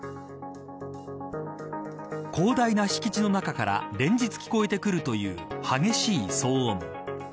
広大な敷地の中から連日、聞こえてくるという激しい騒音。